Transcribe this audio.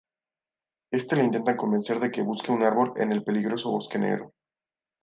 Éste la intenta convencer de que bosque un árbol en el peligroso bosque negro.